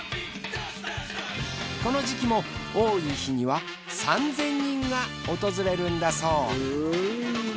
この時季も多い日には３，０００人が訪れるんだそう。